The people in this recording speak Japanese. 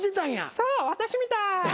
そう私みたい。